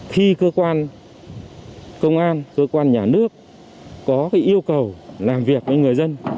khi cơ quan công an cơ quan nhà nước có yêu cầu làm việc với người dân